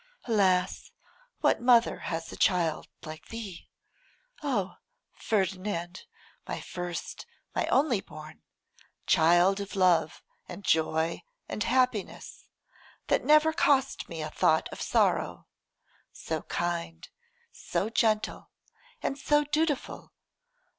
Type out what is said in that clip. Alas! what mother has a child like thee? O! Ferdinand, my first, my only born: child of love and joy and happiness, that never cost me a thought of sorrow; so kind, so gentle, and so dutiful!